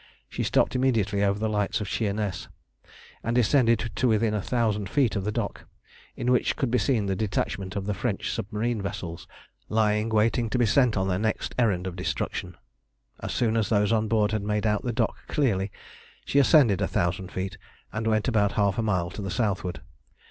She stopped immediately over the lights of Sheerness, and descended to within a thousand feet of the dock, in which could be seen the detachment of the French submarine vessels lying waiting to be sent on their next errand of destruction. As soon as those on board her had made out the dock clearly she ascended a thousand feet and went about half a mile to the southward.